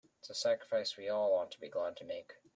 It's a sacrifice we all ought to be glad to make.